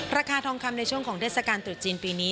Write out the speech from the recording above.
ราคาทองคำในช่วงของเทศกาลตรุษจีนปีนี้